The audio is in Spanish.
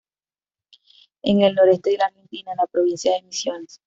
En el noreste de la Argentina en la provincia de Misiones.